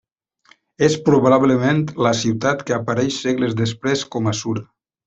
És probablement la ciutat que apareix segles després com a Sura.